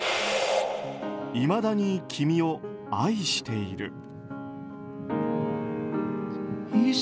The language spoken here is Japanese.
「いまだに君を愛している」。